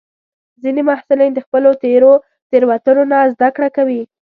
ځینې محصلین د خپلو تېرو تېروتنو نه زده کړه کوي.